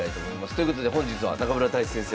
ということで本日は中村太地先生